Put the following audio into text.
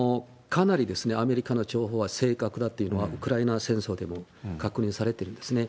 かなりアメリカの情報は正確だというのは、ウクライナ戦争でも確認されてるんですね。